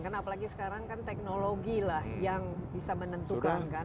karena apalagi sekarang kan teknologi lah yang bisa menentukan kan